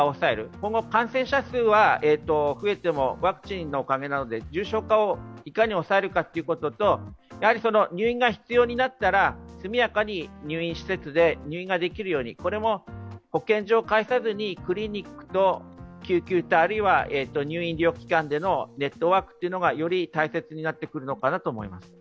今後、感染者数は増えてもワクチンのおかげなので重症化をいかに抑えるかということと、入院が必要になったら速やかに入院施設で入院ができるようにこれも保健所を介さずに、クリニックと救急車、入院機関とのネットワークというのがより大切になってくるのかなと思います。